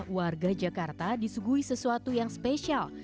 warga jakarta disuguhi sesuatu yang spesial